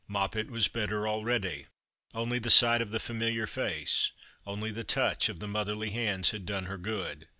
Moppet was better already. Ouly the sight of the familiar face, only the touch of the motherly hands, had done her good.